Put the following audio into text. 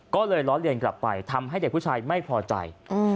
ก็เลยล้อเลียนกลับไปทำให้เด็กผู้ชายไม่พอใจ